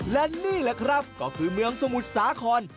และนี่แหละครับก็คือเมืองสมุทรสาคร